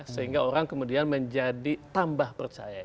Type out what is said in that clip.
sehingga orang kemudian menjadi tambah percaya